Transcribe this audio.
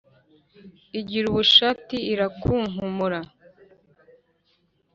Igira bushati irakunkumura,